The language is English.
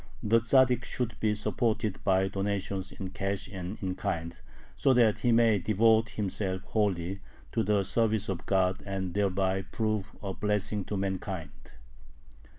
The Tzaddik should be supported by donations in cash and in kind, so that he may devote himself wholly to the service of God and thereby prove a blessing to mankind.